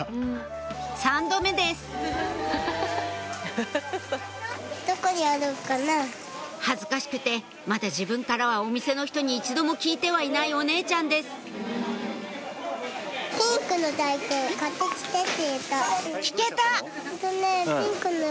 ３度目です恥ずかしくてまだ自分からはお店の人に一度も聞いてはいないお姉ちゃんです聞けた！